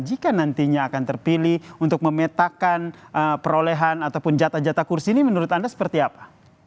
jika nantinya akan terpilih untuk memetakan perolehan ataupun jatah jatah kursi ini menurut anda seperti apa